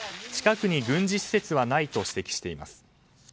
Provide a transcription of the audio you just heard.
近くに軍事施設はないと指摘しています。